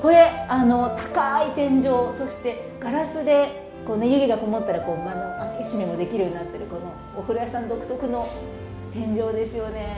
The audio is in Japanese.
これあの高い天井そしてガラスで湯気がこもったら開け閉めもできるようになってるこのお風呂屋さん独特の天井ですよね。